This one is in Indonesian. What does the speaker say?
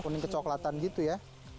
kuning kecoklatan gitu ya